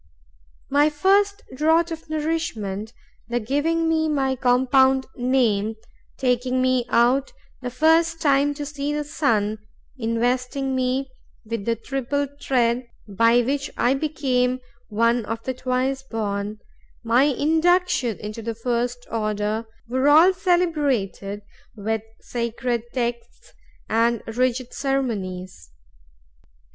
My first draught of nourishment; the giving me my compound name; taking me out the first time to see the sun; investing me with the triple thread by which I became one of the twice born; my induction into the first order—were all celebrated with sacred texts and rigid ceremonies.